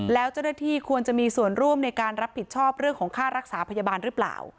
แล้วเจ้าหน้าที่ควรจะมีส่วนร่วมในการรับผิดชอบเรื่องของค่ารักษาพยาบาลหรือเปล่า